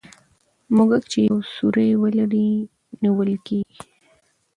موږک چي یو سوری ولري نیول کېږي.